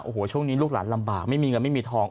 โอ้โหช่วงนี้ลูกหลานลำบากไม่มีเงินไม่มีทอง